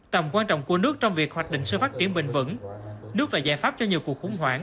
tầm quan trọng của nước trong việc hoạch định sự phát triển bình vẩn nước là giải pháp cho nhiều cuộc khủng hoảng